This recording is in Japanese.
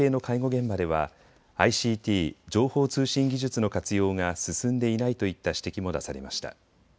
現場ではＩＣＴ・情報通信技術の活用が進んでいないといった指摘も出されました。